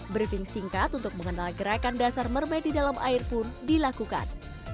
briefing singkat untuk mengenal gerakan dasar mermai di dalam air pun dilakukan